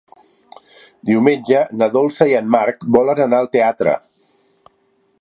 Diumenge na Dolça i en Marc volen anar al teatre.